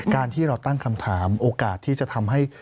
การที่เราตั้งคำถามโอกาสที่จะทำให้